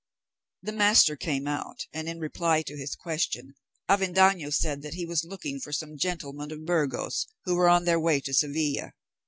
The master came out, and, in reply to his question, Avendaño said that he was looking for some gentlemen of Burgos who were on their way to Seville.